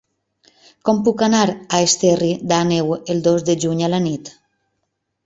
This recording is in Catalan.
Com puc anar a Esterri d'Àneu el dos de juny a la nit?